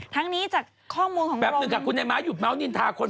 ทั้งนี้จากข้อมูลของแป๊บหนึ่งค่ะคุณนายม้าหยุดเมาส์นินทาคน